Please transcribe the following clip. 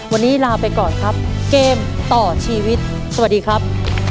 วันนี้ลาไปก่อนครับเกมต่อชีวิตสวัสดีครับ